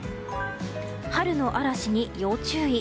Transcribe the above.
春の嵐に要注意。